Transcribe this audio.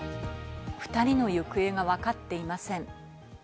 ２人の行方がわかっていません。